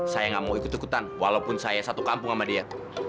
saya nggak mau ikut ikutan walaupun saya satu kampung sama dia